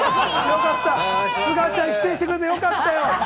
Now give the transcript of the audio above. すがちゃん、否定してくれてよかったよ。